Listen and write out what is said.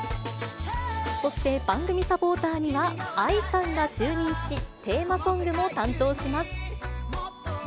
そして、番組サポーターにはＡＩさんが就任し、テーマソングも担当します。